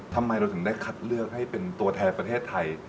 ทำไมเราถึงได้คัดเลือกให้เป็นตัวแทนประเทศไทย